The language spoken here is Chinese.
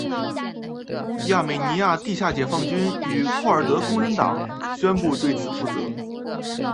亚美尼亚地下解放军与库尔德工人党宣布对此负责。